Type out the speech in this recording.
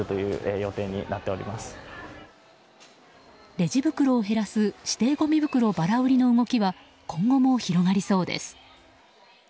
レジ袋を減らす指定ゴミ袋ばら売りの動きは今後も広がりそうです。